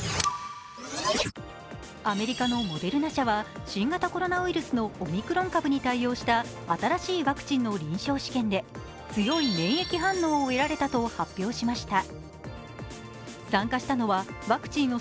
アメリカのモデルナ社は新型コロナウイルスのオミクロン株に対応した新しいワクチンの臨床試験で強い免疫反応を得られたと発表しました。